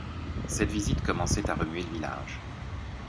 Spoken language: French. Cette visite commençait à remuer le village.